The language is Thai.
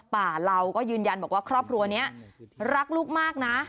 ป่าเราก็ยืนยันบอกว่าครอบครัวนี้รักลูกมากนะ